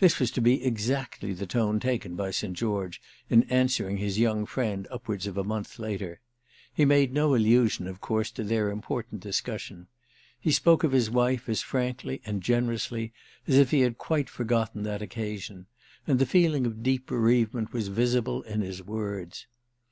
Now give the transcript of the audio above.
This was to be exactly the tone taken by St. George in answering his young friend upwards of a month later. He made no allusion of course to their important discussion. He spoke of his wife as frankly and generously as if he had quite forgotten that occasion, and the feeling of deep bereavement was visible in his words.